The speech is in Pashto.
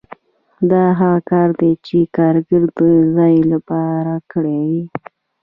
دا هغه کار دی چې کارګر د ځان لپاره کړی وي